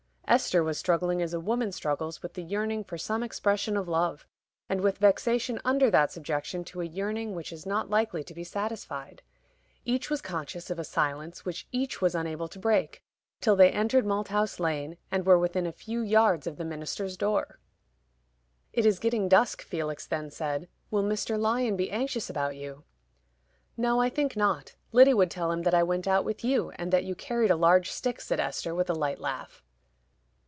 Esther was struggling as a woman struggles with the yearning for some expression of love, and with vexation under that subjection to a yearning which is not likely to be satisfied. Each was conscious of a silence which each was unable to break, till they entered Malthouse Lane, and were within a few yards of the minister's door. "It is getting dusk," Felix then said; "will Mr. Lyon be anxious about you?" "No, I think not. Lyddy would tell him that I went out with you, and that you carried a large stick," said Esther, with a light laugh.